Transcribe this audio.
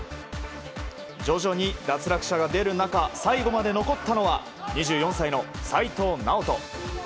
徐々に脱落者が出る中最後まで残ったのは２４歳の斎藤直人。